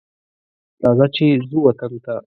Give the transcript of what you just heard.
راځه چې ځو وطن ته